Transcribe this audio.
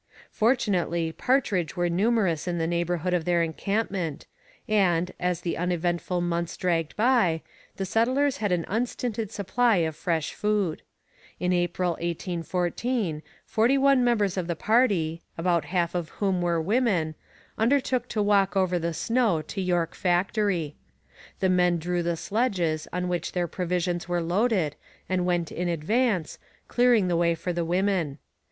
Fortunately partridge were numerous in the neighbourhood of their encampment, and, as the uneventful months dragged by, the settlers had an unstinted supply of fresh food. In April 1814 forty one members of the party, about half of whom were women, undertook to walk over the snow to York Factory. The men drew the sledges on which their provisions were loaded and went in advance, clearing the way for the women.